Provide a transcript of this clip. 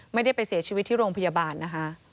ไม่ได้ไปเสียชีวิตที่โรงพยาบาลนะคะ